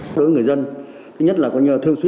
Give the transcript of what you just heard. đối với người dân thứ nhất là có nhờ thương suy